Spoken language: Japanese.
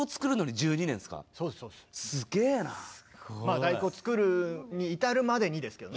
「第９」をつくるに至るまでにですけどね。